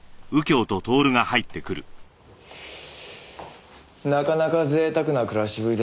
なかなか贅沢な暮らしぶりですね。